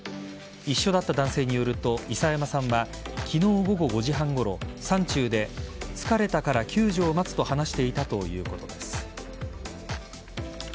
一緒だった男性によると諫山さんは昨日午後５時半ごろ、山中で疲れたから救助を待つと話していたということです。